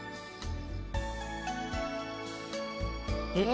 えっ？